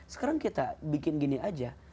sekarang kita bikin gini aja